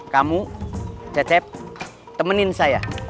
kamu cecep temenin saya